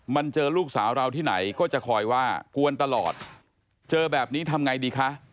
มันเจอลูกสาวเราที่ไหนก็จะคอยว่ากวนตลอดเจอแบบนี้ทำไงดีคะ